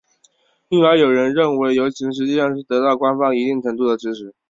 因而有人认为游行实际上是得到官方一定程度的支持。